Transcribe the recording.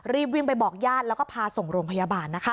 รีบวิ่งไปบอกญาติแล้วก็พาส่งโรงพยาบาลนะคะ